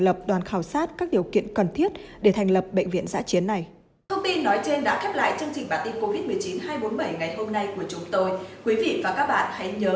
lập đoàn khảo sát các điều kiện cần thiết để thành lập bệnh viện giã chiến này